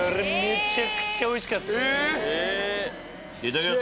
いただきます。